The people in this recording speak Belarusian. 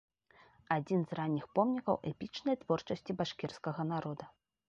Адзін з ранніх помнікаў эпічнай творчасці башкірскага народа.